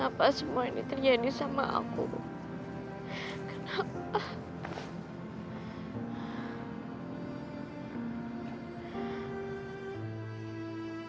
hai kenapa semua ini terjadi sama aku kenapa